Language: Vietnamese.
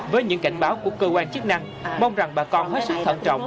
với những cảnh báo của cơ quan chức năng mong rằng bà con hết sức thận trọng